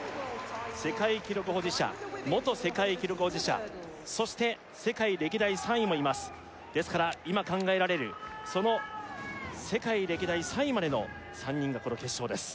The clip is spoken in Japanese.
世界記録保持者元世界記録保持者そして世界歴代３位もいますですから今考えられるその世界歴代３位までの３人がこの決勝です